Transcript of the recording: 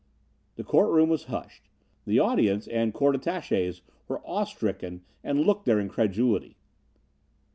The court room was hushed. The audience and court attaches were awe stricken and looked their incredulity.